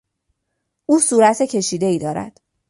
او صورت کشیدهای دارد.